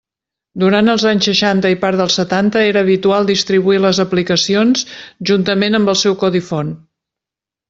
Durant els anys seixanta i part dels setanta era habitual distribuir les aplicacions juntament amb el seu codi font.